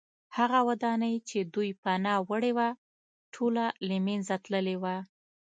هغه ودانۍ چې دوی پناه وړې وه ټوله له منځه تللې وه